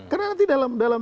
karena nanti dalam